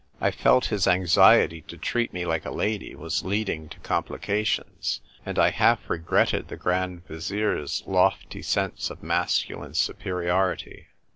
(I felt his anxiety to treat me like a lady was leading: to complications, and I half regretted the Grand Vizier's lofty sense of masculine superiority.)